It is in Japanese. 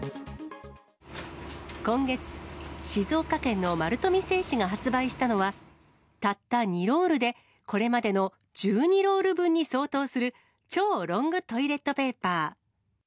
今月、静岡県の丸富製紙が発売したのは、たった２ロールでこれまでの１２ロール分に相当する、超ロングトイレットペーパー。